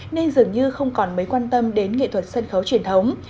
nên dường như không còn mấy quan tâm đến nghệ thuật sân khấu truyền thống